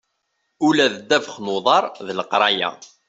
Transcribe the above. Ula d ddabex n uḍar d leqraya.